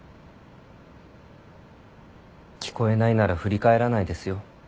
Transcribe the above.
聞こえないなら振り返らないですよ。